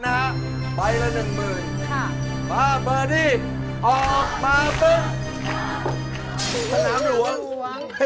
ตาม่ว่าครับอ้าวตาม่ว่า